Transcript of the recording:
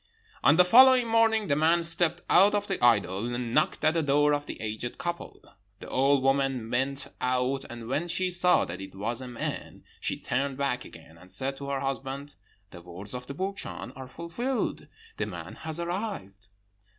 "On the following morning the man stepped out of the idol and knocked at the door of the aged couple. The old woman went out, and when she saw that it was a man, she turned back again, and said to her husband, 'The words of the Burchan are fulfilled; the man has arrived.'